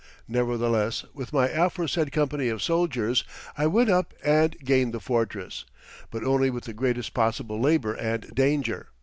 Nevertheless, with my aforesaid company of soldiers I went up and gained the fortress, but only with the greatest possible labor and danger.